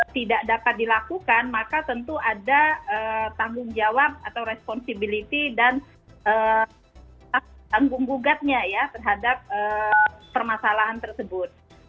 tidak dapat dilakukan maka tentu ada tanggung jawab atau responsibility dan tanggung gugatnya ya terhadap permasalahan tersebut